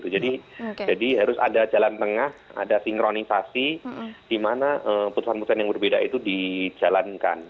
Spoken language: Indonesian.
jadi harus ada jalan tengah ada singkronisasi di mana putusan putusan yang berbeda itu dijalankan